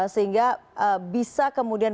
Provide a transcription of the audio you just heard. sehingga bisa kemudian